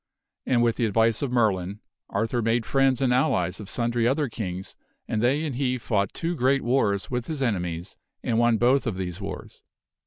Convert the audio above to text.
And, with the advice ot enemies. Merlin, Arthur made friends and allies of sundry other kings, and they and he fought two great wars with his enemies and won both of these wars.